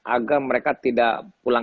agar mereka tidak pulang